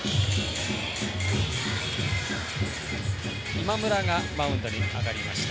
今村がマウンドに上がりました。